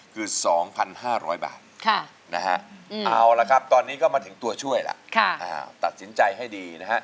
คือ๒๕๐๐บาทนะฮะเอาละครับตอนนี้ก็มาถึงตัวช่วยล่ะตัดสินใจให้ดีนะฮะ